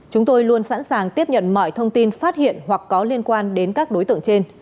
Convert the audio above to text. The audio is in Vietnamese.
chúng tôi luôn sẵn sàng tiếp nhận mọi thông tin phát hiện hoặc có liên quan đến các đối tượng trên